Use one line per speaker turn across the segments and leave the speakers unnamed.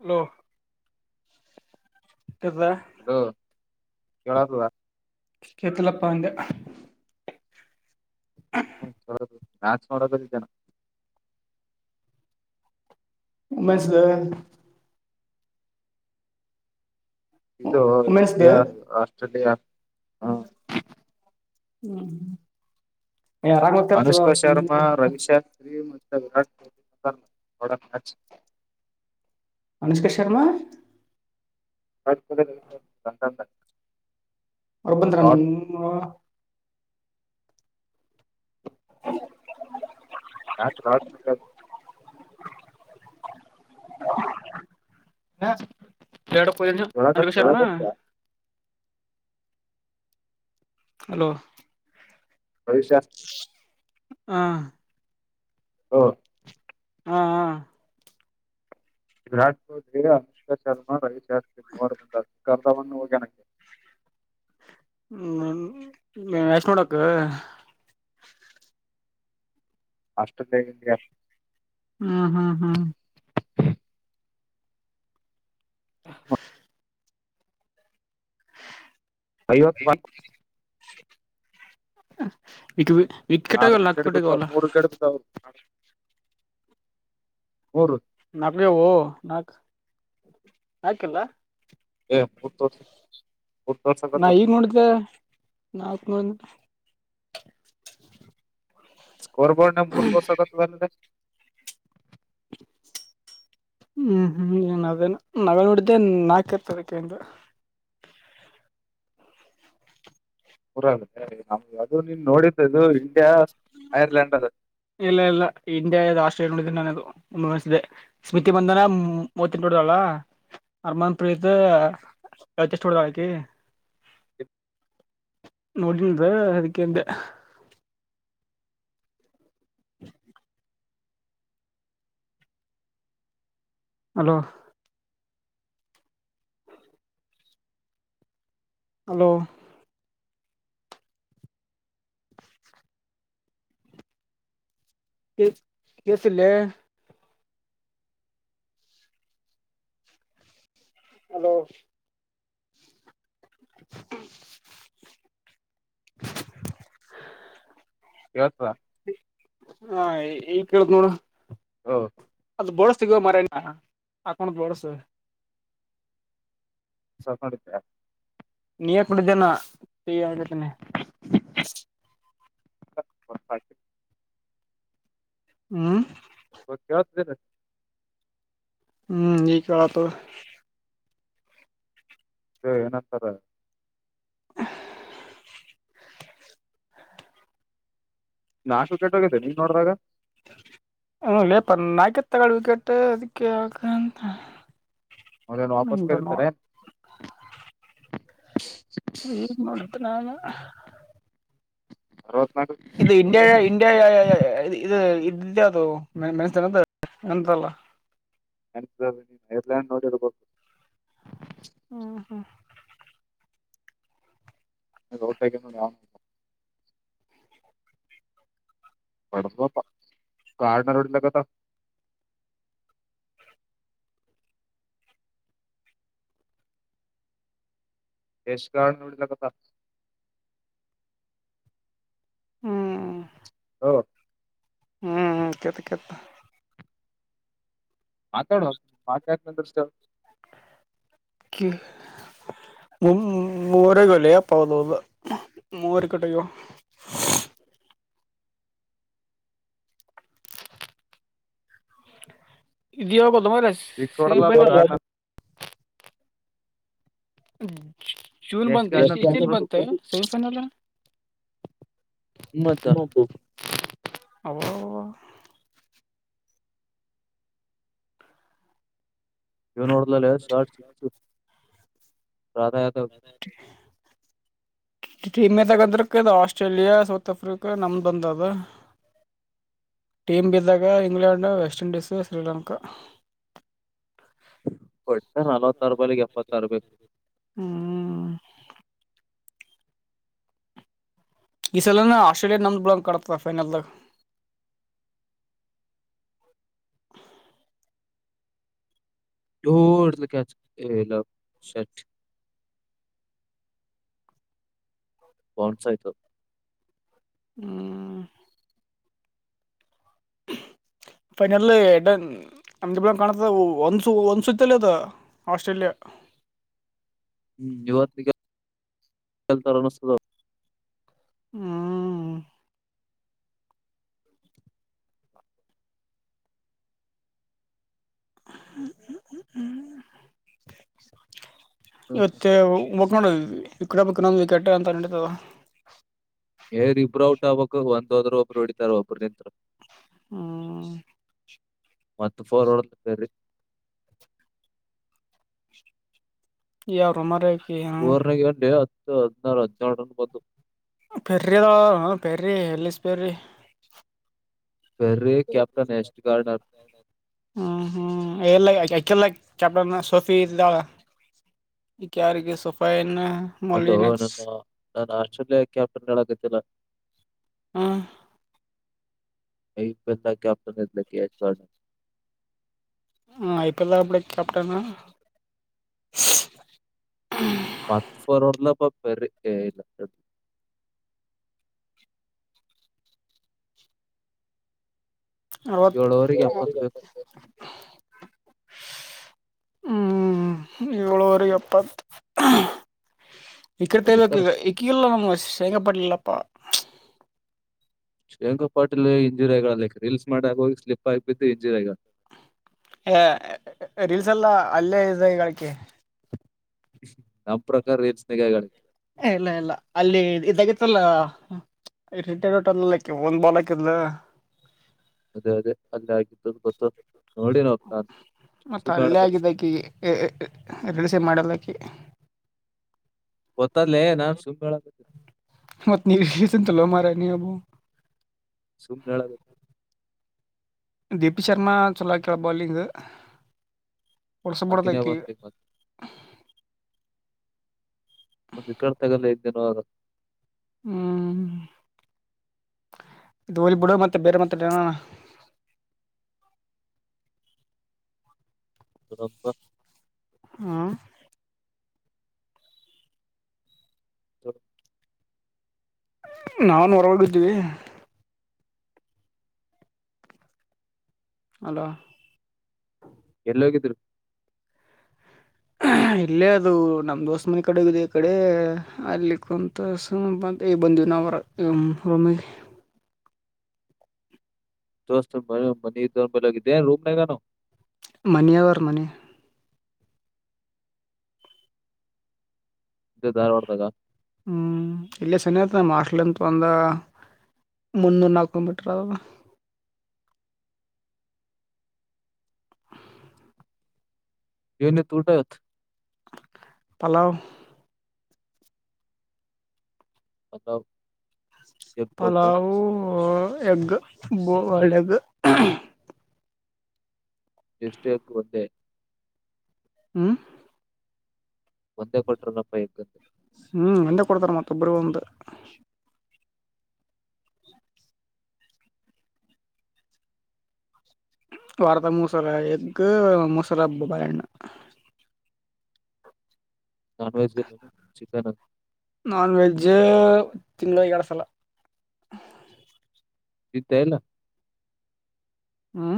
Hello ಇದದ
ಕಡ ತ
ಕೆತ್ಲಪ್ಪಾಂದ
ಹ್ಮ ಮಕ್ ಮಾಡೋ ಇದಿದ್ದನ
ಮ್ಮಸ್
ಇದು
ಉಮೆನ್ಸ್ದ
ಇಂಡಿಯಾ ಆಸ್ಟ್ರೇಲಿಯಾ ಹ್ಮ
ಹ್ಮ್ ಹ್ಮ
ಅನುಷ್ಕಾ ಶರ್ಮಾ ರವಿಶಾಸ್ತ್ರಿ ವರಾಟ್ಹ್ಲಿ
ಅನುಷ್ಕಾ ಶರ್ಮಾ
ಅಂತ
ಅಬಂದರ [unintelligible]
ರಾಜನಗರ
ಎ ಕ ಅಟ ವಿಷ
ಕೇಳಕತ್ತದ
ಹಲೋ
ಭವಿಷ್ಯಸ್
ಹ
ಹಾ
ಹಾ ಹಾ
ವಿಾ್ ಚೌಧರಿಗೆ ಅಮಿತ್ ಶರ್ಮಾ ರವಿಶಾಸ್ತ್ರಿ ಮವಾರ್ ಬಂದ ಕಲ್ಲವನ್ನು ಹೋಗ್ಯ ನನಗೆ [unintelligible]
ಹ್ಮ ಮ್ಯಾಚ್ ಮಾಡೋಡಕ್
ಅಷ್ಟುಲ್ಲೇಗಯಾ
ಹ್ಮ್ ಹ್ಮ್ ಹ್ಮ್
ಹ [inaudible] ಕಯವತ್ತುಪ್ಪ
ಇಗ
ನಾಕ ಗಡಬಿತಾವ ಮೂರು ಕಡ್ಬಿತ ಅವರು ಮೂರು
ನಾಕ ನಾಕ್ ನಾಕಿಲ್ಲ
ಹ ಮುಹೂರ್ತ
ನಾ ಈಗ್ ನೋಡಿದ್ದೆ ನಾಲ್ಕ ನೋ
ಸ್ಕೋರ್ ಬೋರ್ಡ್ ನ ಮೂರ್ ದೋರ್ಸ್ ಆಗತದ ಅಲ್ಲ
ಹ್ಮ್ ಹ್ಮ್ ಏನ್ ಅದೇನು ನಾವ ನೋಡಿದ್ದೆ ನಾಕೈ ತಾರೀಕಿಂದ
ಪುರಲ್ಲ ಅದು ನೀನ್ ನೋಡಿದ್ದದು ಇಂಡಿಯಾ ಐರ್ಲೆಂಡ್ ಅದ
ಇಲ್ಲ ಇಲ್ಲ ಇಂಡಿಯಷ್ಟ ನೋಡ ನನೆ ಶ್ರುತಿ ಮಂದಾನ ಬಂದನ ಮೂವತ್ತ ನೋಡಲ್ಲ ಅರ್ಮನ್ ಪ್ರೀತ್ ಕಚ ಎಷ್ಟು ಹಡಕಿ
ಹ
ನೋಡಿನದ ಅದಕ್ಕೆ್ದೆ ಹಲೋ ಹಲೋ ಕೆ ಕಸಿಲ್ಲ ಹಲೋ
ಕೇಳ್ತದ
ಹ ಹಾ ಈ ಕೇಳತ ನೋಡ
ಹಾ
ಅದು ಬಳಸಿಗೋ ಮರೇನಾ ಹಾಕೊಂಡದ ಬಳಸ
ಸಪಡತ
ನೀಿಯ ಕುೊಂಡ ಜನ ತತನೆ ಹ್ಮ
ಕೇಳ್ತಿದೀನಿ
ಹ್ಮ್ ಈಕತ
ಅೇ ಏನಂತಾರ ನಾಲ್ಕು ವಿಕೆಟ್ ಹೋಗಿದೆ ನೀವ ನೋಡ್ರಾಗ
ಹಲ್ಲೇ ಪ ನಾಲ್ಕು ತಗಳ ವಿಕೆಟ್ ಅದಕ್ಕೆ ಯಾಕ ಅಂತ
ಮನು ವಾಪಸ್
ಈಗ
ಕತರ
ನೋಡ ಏನ್ ನೋಡತ್ೆ ನಗ
ಹತ್
ಇದು ಇಂಡ ಇಂಡ ಇದು ಿದ್ದ್ಯಾ ಅದು ಮೆಸ್ಸನಂತ ಎಂತಲ್ಲ
ನನ್ ನೀ ಏರ್ಲೆಯಂಡ್ ನೋಡಿರ್ಬೇಕಹು
ಹ್ಮ ಹಾ
ರೋಟ ಪಡ ಕಾರ್ಣರೆ ಎಡಲ್ಲಕ್ಕದ ಯೇಶುಗ ಇಡಲಕ್ಕ ತ
ಹ್ಮ್
ಹ್ಮ
ಹ್ಮ್ ಹ್ಮ್ ಕೆತ್ಕ
ಮಾತಾಡೋ ಮಾಾತ ನಂತ ಸರ್
ಕಿ ಮು ಮೋರಗೊಲೆಯ ಪಾವತೋದು ಮೂೋರ ಕಟಗೋ ಇದ ಯಾಗದು ಮ್ರ ಸ
ಸಿಕ್ಸ್ ಹೊಡಲಪ್ಪ ಗಾರ್ಡ್ನ
ಜೂನ್
ಯಶ್
ಬಂತ
ಗಾರ್ಡ್ನ ಸಿಕ್ಸ್ ಹೊಡ್ಲ್
ಸೆಮಿಫೈನಲ್
ಮತ್ತ
[unintelligible]
ಏನ್ ಹೊಡೆದೆನಲ್ಲೇ ಶಾರ್ಟ್ ಸಿಕ್ಸ್ ರಾಡ್ ಯಾದವ್
ಟೀಮೆ ತಗಂದ್ರಕ್ ಆಸ್ಟ್ರೇಲಿಯಾ ಸೌತ್ ಆಫ್ರಿಕಾ ನಮ್ದ ಒಂದು ಅದ ಟೀಮ್ ಬಿದ್ದಾಗ ಇಂಗ್ಲೆಂಡ್ ವೆಸ್ಟ್ ಇಂಡೀಸ್ ಶ್ರೀಲಂಕಾ
ಕೊಡ್ತ ನಲ್ವತ್ತಾರ್ ಬಾಲಿಗೆ ಎಪ್ಪತ್ತಾರು ಬೇಕು
ಹ್ಮ್ ಈ ಸಲನ ಆಸ್ಟ್ರೇಲಿಯಾ ನಮ್ದ ಬಿಡಬೇಕುಕಣಪ್ಪ ಫೈನಲ್ದಾಗ [inaudible]
ಅಯ್ಯೋ ಇಡ್ಡ ಕ್ಯಾಚ್ ಶಟ್ ಬೌನ್ಸ್ ಆಯ್ತು
ಹ್ಮ
[inaudible]
ಫೈನಲ್ಲಿ ಎಡ ನಮಗೆಲ್ ಕಾಣುತ್ತ ಒಂದು ಒಂದು ಸುತ್ತಲಿ ಅದ ಆಸ್ಟ್ರೇಲಿಯಾ
[inaudible] ಇವತ್ತಿಗೆ ಗೆಲ್ತಾರಾ ಅನಿಸುತ್ತದೆ
ಹ್ಮ್ [inaudible]
ಹ್ಮ್ ಹ್ಮ್.
ಇವತ್ತೆಕ್ ನೋಡ [unintelligible] ಈ ಕೆಟ್ಟ ಅಂತ ನೆಡಿತಾದ
ಏ ಇಬ್ರು ಔಟ್ ಆಗ್ಬೇಕು ಒಂದ ಹೋದ್ರರು ಒಬ್ರು ಹೊಡಿತಾರೆ ಒಬ್ರು ನಿಂತರು
ಹ್ಮ
ಮತ್ತ ಪೋರ್ ಹೋಡಿದ್ಲು ಪೇರಿ
[unintelligible]
[unintelligible] ಹತ್ತು ಹದಿನಾರು ಹದಿನೇಳು ರನ್ ಬಂದು
ಪೆರಿದ Perry Ellyse Perry
berry captain ಎಷ್ಟ್ ಗಾರ್ಡ್ನರ್
ಹ್ಮ್ ಹ್ಮ್ ಇಲ್ಲ ಅಕಿಲ್ಲ ಆಕಿ ಕ್ಯಾಪ್ಟನ್ ಸೋಫಿ ಇದ್ದಾಳ ಈಗ ಯಾರಿಗೆ ಸೋಫಯೆನ್ನ
ಅಲ್ಲ ನನ್ನ ನಾನು ಆಸ್ಟ್ರೇಲಿಯಾ ಕ್ಯಾಪ್ಟನ್ ಹೇಳಾಕಾತ್ತಿಲ್ಲ
ಹ್ಮ
[unintelligible]
ಹ್ಮ ಐಪಿಎಲ್ ಕ್ಯಾಪ್ಟನ್
ಮತ್ತ ಫೋರ್ ಹೊಡಿದ್ಲಾಪ್ಪ ಪಿರೇಪೆ ಏಳು ಓವರಿಗೆ
[unintelligible]
ಎಪ್ಪತ್ತು ಬೇಕು
ಹ್ಮ್ ಏಳೂರು ಎಪ್ಪತ್ತು ಇಕ್ಕಡೆ
ಹೊಡಿತಾರ
ತಬೇಕ ಇಕ್ಕಗಲ್ಲ ನಮ್ ಶೇಂಗಪಡ್ಲಿಲ್ಲಪ್ಪಾ
ಶ್ರಿಯಂಕಾ ಪಾಟಲ್ ಇಂಜುರಿ ಆಗ ಅಕ್ ರೀಲ್ಸ್ ಮಾಡ ಆ ಹೋಗಿ ಸ್ಲಿಪ್ ಆಗಿ ಬಿದ್ದು ಇಂಜರಿ ಆಗದ
ರೀಲ್ಸ್ ಅಲ್ಲ ಅಲ್ಲೇ ಇದಲ್ ಆಕಿ
ನಮ್ಮ್ ಪ್ರಕಾರ [unintelligible]
ಇಲ್ಲ ಇಲ್ಲ ಅಲ್ಲಿ ಇದಾಗಿತ್ತಲ್ಲ ರಿಟೈರ್ಡ್ ಔಟ್ ಆದ್ಲು ಆಕಿ ಒಂದು ಬಾಲ್ ಹಾಕಿದ್ಲು
ಅದೇ ಅದೇ ಅಲ್ಲ ಆಗತ್ತು ಗೊತ್ತ ನೋಡಿ ನಾವ್ ನಾನ್
ಮತ್ತ
ಸುಮ್
ಅಲ್ಲೇ
ಹೇಳಕತ್ತೀನಿ
ಆಗಿದ್ದು ಅಕಿಗೆ ರೀಲ್ಸ್ ಮಾಡಿಲ್ಲ ಆಕಿ ಕಿ
ಗೊತ್ತಾದಲೇ ನಾನು ಸುಮ್ ಹೇಳ
ಮಾರಾಯ ನಿನ್
ಸುಮ್ ಹೇಳಕತ್ತೀನಿ
ದೀಪಿ ಶರ್ಮಾ ಚಲೋ ಆಕಳ ಬೌಲಿಂಗ್ ವರ್ಷ ಬಿಡೋದು
ಆಕಿನೇ
ಆಕಿ
ಬಂದ್ ಈಗ ಮತ್ತೆ [unintelligible]
ಹ್ಮ ಇದು ಹೋಗ್ಲಿಬಿಡೊ ಮತ್ ಬೆರೆ ಮಾತಾಡೋಣ
[unintelligible]
ಹಾ
[unintelligible]
ನಾವನ್ ಹೊರೋಗಿದ್ದೀವಿ ಅಲೋ.
ಎಲ್ಲಿ ಹೋಗಿದ್ರಿ? [inaudible]
ಇಲ್ಲೇ ಅದು ನಮ ದೋಸ್ತ ಮನೆ ಕಡೆೋಗಿದೆ ಈ ಕಡೆ ಅಲ್ಲಿ ಕುಂತ ಸುಮ್ ಬಂದ [unintelligible]
ದೋಸ್ತ್ ಮ ಮನಿ ಮನಿದ್ದ ಹೋಗಿದ್ದೆನ್ ರೂಮ್ನಗಾನ
ಮನಿ ಆದ ರಿ ಮನಿ
ಇದ್ದೆ ಧಾರವಾಡದಾಗ
ಹ್ಮ್ ಇಲ್ಲೆ ಸನೆ ಅದ. ಲೆಂತ್ ಒಂದ ಮುನ್ನೂರ್ ನಾಲ್ಕನೂರ್ ಮೀಟರ್ ಆದದು
ಏನಿತ್ತ್ ಊಟ ಇವತ್ತ್?
ಪಲವ್.
ಪಲಾವ್ ಎಗ್ ಕೊಟ್ರ
ಪಲಾವು ಎಗ್ಗ್ ಬಾಯ್ಲ್ಡ್ ಎಗ್ಗ್
ಎಷ್ಟಕ್ ಒತ್ತೆ
ಹಾಂ
ಒಂದೇ ಕೊಟ್ರನಪ್ಪ ಎಗ್ಗ್
ಹ್ಮ್ ಒಂದೆ ಕೊಡ್ತಾರ ಮತ್ತ ಒಬ್ಬರಿಗ್ ಒಂದು ವಾರ್ದಾಗ ಮೂರ್ ಸಲ ಎಗ್ಗ್ ಮೂರ ಸಲ ಬಾಳೆಣ್ಣು
ನಾನ್ ವೆಜ್ ಇಲ್ಲ ಚಿಕನ್ ಅಂತ
ನಾನ್ವೆೆಜ್ ತಿಂಗಳ್ದಗ ಎರಡು ಸಲ
ಇತ್ತ ಇಲ್ಲ
ಹ್ಮ್ಮ್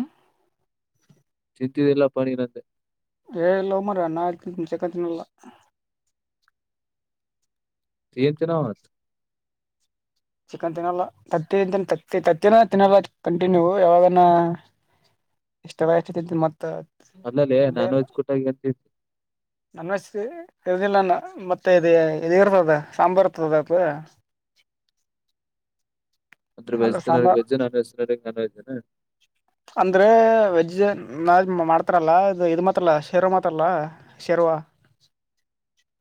ತಿಂತಿ ಇಲ್ಲ ಪ ನಿ ಅಂದೆ
ಏ ಇಲ್ಲೊ ಮರಯ ನಾ ಎಲ್ ತಿಂತೇನು ಚಿಕನ್ ತಿನಲ್ಲ
ಏನ್ ತಿನ್ನವ ಮತ್ತ್
ಚಿಕನ್ ತಿನ್ನಲ್ಲ ತತ್ತಿಂತತ್ತಿ ತತ್ತಿನ ತಿನ್ನಲ್ಲ ಕಂಟಿನ್ಯೂ ಯಾವಾಗ ಎಷ್ಟ ತರ [unintelligible] ಹೆಚ್ಚತರಿ ಮತ್ತ
ಅಲ್ಲಲ್ಲೇ
ಅದೇ
ನಾನ್
ಇಲ್ಲ
ವೆಜ್ ಕುಟಾಗಿ ಏನ್ ತಿಂದಿ?
ನಾನ್ ವೆಜ್ ಇದಿಲ್ಲ ನ ಮತ್ತೆ ಇದು ಇದು ಇರ್ತದ ಸಾಂಬಾರ್ ಇರ್ತದ ಅದ
[unintelligible] ಅಂದ್ರ
ಅಲ್ಲ
ವೆಜ್ ತಿನ್ನೋರಿಗೆ
ಸಾಂಬಾರ್
ವೆಜ್ ನಾನ್ ವೆಜ್ ತಿನ್ನೋರಿಗೆ ನಾನ್ ವೆಜ್ ಅನ
ಅಂದ್ರೆ ವೆಜ್ ನ ಮಾಡ್ತಾರಲ್ಲ ಇದು ಮಾಡ್ತಾರಲ್ಲ ಶೇರ್ವ ಮಾಡ್ತರಲ ಶೇರ್ವ ವಾಹ
[unintelligible]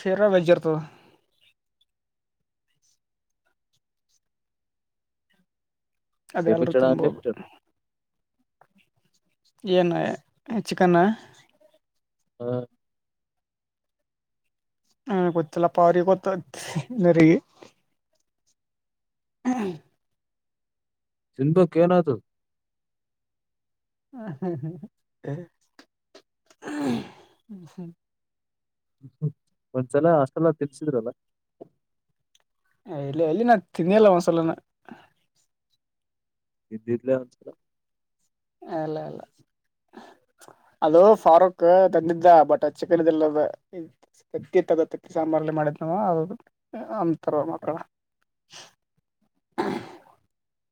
ಶೇರ್ವ ವೆಜ್ ಇರ್ತದ
[inaudible]
ಅದೆಲ್ರು
ಲಿಮಿಟೆಡ್
ತಿನ್ಬೋದು
ಅನ್ಲಿಮಿಟೆಡ್
ಏನು ಏನ್ ಚಿಕನ್ನ
ಹ
ಹ್ಮ ಗೊತ್ತಿಲ್ಲಪ್ಪ ಅವ್ರಿಗೆ ಗೊತ್ತಗ ಹ್ಮ
ತಿನ್ಬೇಕ್ ಏನ್ ಆತದ
ಹ್ಮ ಹ್ಮ ಹ್ಮ ಹ್ಮ ಹ್ಮ
ಒಂದ್ಸಲ ಹಾಸ್ಟೆಲಗ ತಿನ್ಸಿದ್ರಲ್ಲ
ಏ ಎಲ್ಲಿ ನಾ ತಿಂದೆ ಇಲ್ಲ ಒಂದ್ ಸಲನು
ತಿಂದಿದ್ಲಾ ಒಂದ್ ಸಲ
ಅಲ್ಲ ಅಲ್ಲ ಅದು ಫಾರೂಕ್ ತಂದಿದ್ದ ಬಟ್ ಚಕ್ಕಲ್ಲ ದತ್ತಕ್ಕೆ ಸಾಂಬಾರ್ಲೆ ಮಾಡಿದ್ ನವು ಅ ಅಂತಾರ ಮಕ್ಕಳ
ಹ